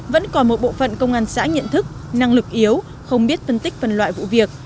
vẫn còn một bộ phận công an xã nhận thức năng lực yếu không biết phân tích phần loại vụ việc